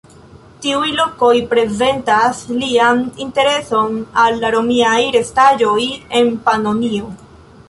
Tiuj lokoj prezentas lian intereson al la romiaj restaĵoj en Panonio.